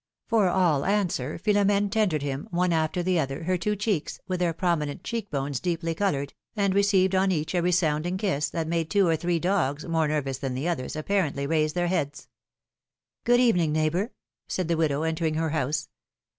For all answer, Philomene tendered him, one after the other, her two cheeks, with their prominent cheek bones deeply colored, and received on each a resounding kiss, that made two or three dogs, more nervous than the others, apparently, raise their heads. ^^Good evening, ncighbor,^^ said the widow, entering her house.